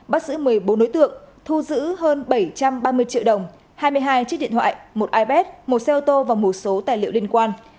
bắt giữ một mươi bốn đối tượng thu giữ hơn bảy trăm ba mươi triệu đồng hai mươi hai chiếc điện thoại một ipad một xe ô tô và một số tài liệu liên quan